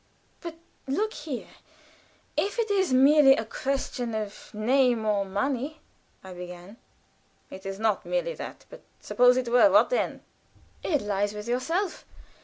"But look here! If it is merely a question of name or money," I began. "It is not merely that; but suppose it were, what then?" "It lies with yourself.